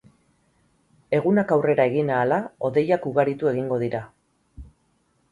Egunak aurrera egin ahala, hodeiak ugaritu egingo dira.